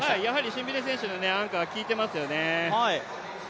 シンビネ選手のアンカーが効いてますよね。